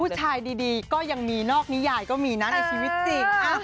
ดีก็ยังมีนอกนิยายก็มีนะในชีวิตจริง